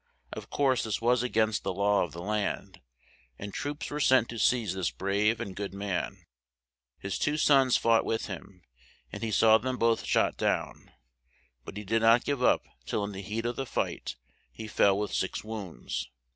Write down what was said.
Of course this was a gainst the law of the land, and troops were sent to seize this brave and good man. His two sons fought with him, and he saw them both shot down, but he did not give up till in the heat of the fight he fell with six wounds.